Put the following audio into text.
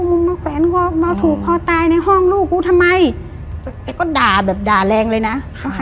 มึงมาแขวนคอมาถูกคอตายในห้องลูกกูทำไมแกก็ด่าแบบด่าแรงเลยนะ